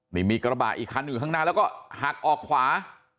นี่มีกระบะอีกคันอยู่ข้างหน้าแล้วก็หักออกขวา